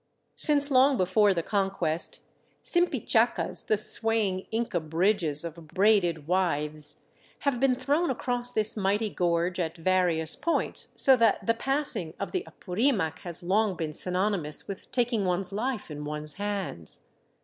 Since long before the Conquest, simpichacas, the swaying Inca bridges of braided withes, have been thrown across this mighty gorge at various points, so that the passing of the Apurimac has long been synonymous with taking one's life in one's hands.